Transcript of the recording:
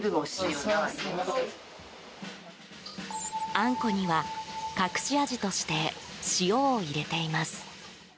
あんこには、隠し味として塩を入れています。